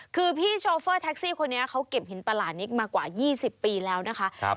คือพี่โชเฟอร์แท็กซี่คนนี้เขาเก็บหินประหลาดนี้มากว่า๒๐ปีแล้วนะคะ